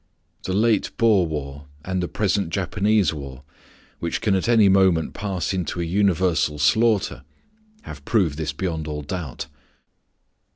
The late Boer war and the present Japanese war, which can at any moment pass into a universal slaughter, have proved this beyond all doubt.